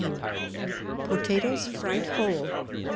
Potatoes Fried Whole.